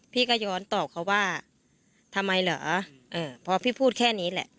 พี่ก็ย้อนตอบเขาว่าทำไมเหรอพอพี่พูดแค่นี้แหละ